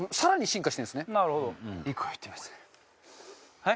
はい？